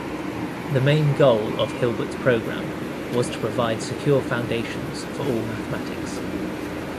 The main goal of Hilbert's program was to provide secure foundations for all mathematics.